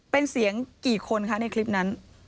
เป็นเสียงกี่คนคะในคลิปนั้น